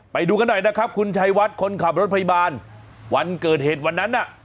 ไปดูกันหน่อยนะครับคุณชัยวัดคนขับรถพยาบาลวันเกิดเหตุวันนั้นน่ะ